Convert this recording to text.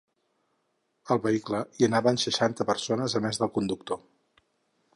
Al vehicle hi anaven seixanta persones, a més del conductor.